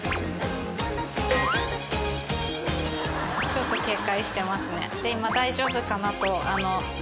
ちょっと警戒してます。